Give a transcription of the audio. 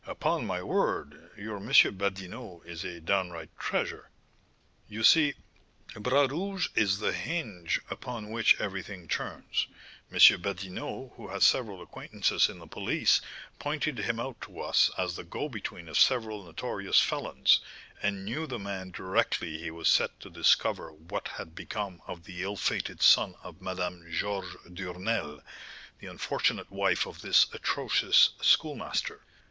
"Upon my word, your M. Badinot is a downright treasure!" "You see, Bras Rouge is the hinge upon which everything turns. M. Badinot, who has several acquaintances in the police, pointed him out to us as the go between of several notorious felons, and knew the man directly he was set to discover what had become of the ill fated son of Madame Georges Duresnel, the unfortunate wife of this atrocious Schoolmaster."